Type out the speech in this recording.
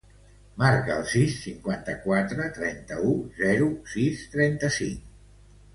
Marca el sis, cinquanta-quatre, trenta-u, zero, sis, trenta-cinc.